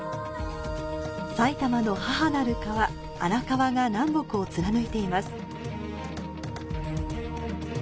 埼玉の母なる川、荒川が南北を貫いています。